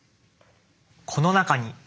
この中に。